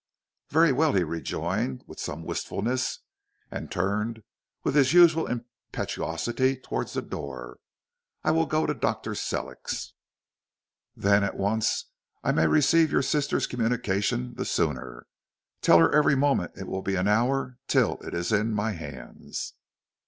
"Very well," he rejoined, with some wistfulness, and turned with his usual impetuosity towards the door. "I will go to Dr. Sellick's, then, at once, that I may receive your sister's communication the sooner. Tell her every moment will be an hour till it is in my hands."